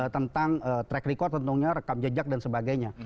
tentang track record tentunya rekam jejak dan sebagainya